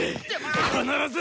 必ず！